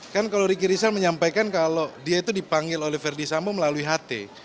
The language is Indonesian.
kan kalau ricky rizal menyampaikan kalau dia itu dipanggil oleh verdi sambo melalui ht